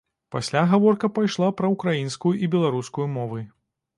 Пасля гаворка пайшла пра ўкраінскую і беларускую мовы.